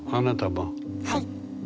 はい。